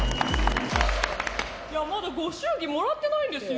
まだご祝儀もらってないんですよ。